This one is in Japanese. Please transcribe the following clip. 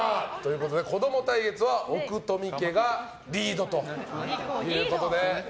子供対決は奥冨家がリードということで。